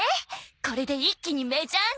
これで一気にメジャーに。